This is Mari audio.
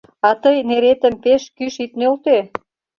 — А тый неретым пеш кӱш ит нӧлтӧ!